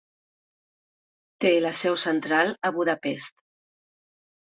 Té la seu central a Budapest.